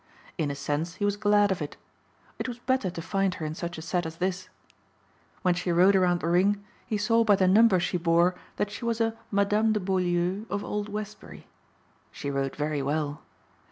In a sense he was glad of it. It was better to find her in such a set as this. When she rode around the ring he saw by the number she bore that she was a Madame de Beaulieu of Old Westbury. She rode very well.